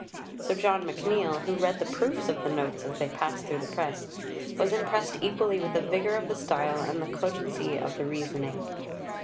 " Sir John McNeill, who read the proofs of the Notes as they passed through the press, was impressed equally with the vigour of the style and the cogency of the reasoning.